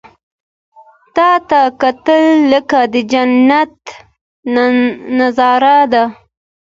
• تا ته کتل، لکه د جنت نظاره ده.